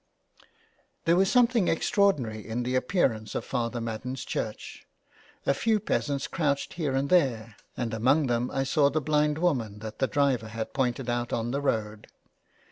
205 JULIA CAHILL'S CURSE. There was something extraordinary in the appear ance of Father Madden's church, a few peasants crouched here and there, and among them I saw the blind woman that the driver had pointed out on the road.